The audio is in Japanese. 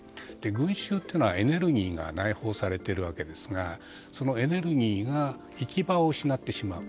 群衆というのはエネルギーが内包されているわけですからそのエネルギーが行き場を失ってしまう。